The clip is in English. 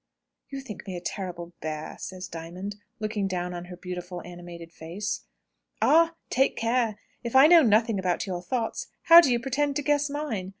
"You think me a terrible bear," says Diamond, looking down on her beautiful, animated face. "Ah! take care. If I know nothing about your thoughts, how do you pretend to guess mine?